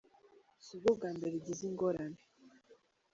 Si bwo bwa mbere igize ingorane.